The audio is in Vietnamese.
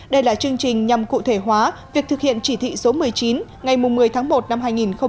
đây là chương trình nhằm cụ thể hóa việc thực hiện chỉ thị số một mươi chín ngày một mươi tháng một năm hai nghìn hai mươi